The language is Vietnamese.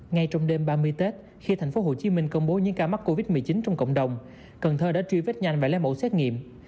ngay trong đêm ba mươi tết khi thành phố hồ chí minh công bố những ca mắc covid một mươi chín trong cộng đồng cần thơ đã truy vết nhanh và lấy mẫu xét nghiệm